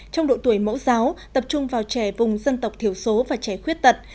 trong độ tuổi mẫu giáo tập trung vào trẻ vùng dân tộc thiểu số và trẻ khuyết tật